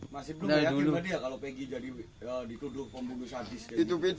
mas iblu nggak yakin pak dia kalau pgi jadi ya dituduh pembunuh sadis